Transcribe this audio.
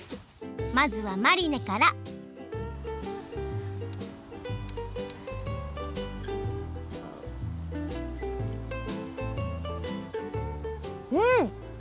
まずはマリネからうん！